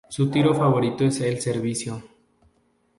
Su tiro favorito es el servicio.